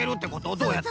どうやって？